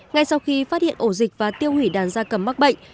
ngay sau khi phát hiện ổ dịch và tiêu hủy đàn da cầm mắc bệnh